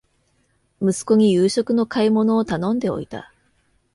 息子に夕食の買い物を頼んでおいた